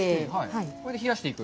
これで冷やしていく？